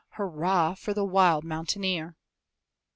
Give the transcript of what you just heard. Hurrah, for the wild mountaineer!